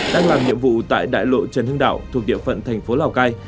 đang làm nhiệm vụ tại đại lộ trần hưng đạo thuộc địa phận thành phố lào cai